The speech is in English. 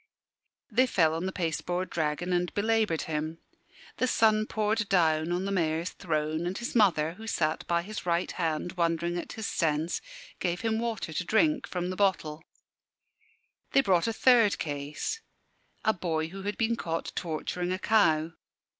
They fell on the pasteboard dragon and belaboured him. The sun poured down on the Mayor's throne; and his mother, who sat by his right hand wondering at his sense, gave him water to drink from the bottle. They brought a third case a boy who had been caught torturing a cow.